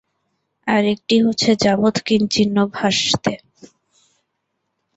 আর একটি হচ্ছে– যাবৎ কিঞ্চিন্ন ভাষতে।